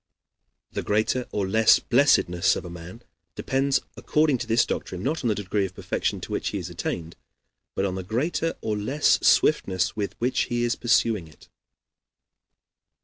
The greater or less blessedness of a man depends, according to this doctrine, not on the degree of perfection to which he has attained, but on the greater or less swiftness with which he is pursuing it.